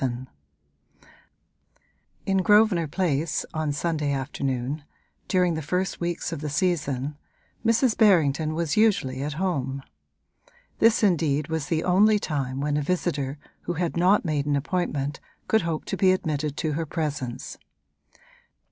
VII In Grosvenor Place, on Sunday afternoon, during the first weeks of the season, Mrs. Berrington was usually at home: this indeed was the only time when a visitor who had not made an appointment could hope to be admitted to her presence.